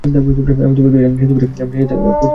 আমি তোমাদেরকে যা নিষেধ করি, আমি নিজে তা করতে ইচ্ছা করি না।